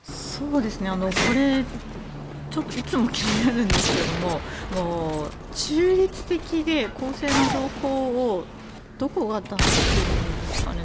これ、ちょっといつも気になるんですけど中立的で公正な情報をどこが出してるんですかね。